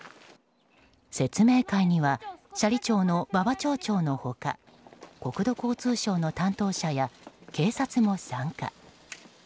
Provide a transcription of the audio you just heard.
説明会には斜里町の馬場隆町長の他国土交通省の担当者や警察も参加。